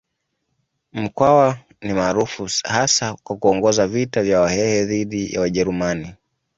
Mkwawa ni maarufu hasa kwa kuongoza vita vya Wahehe dhidi ya Wajerumani.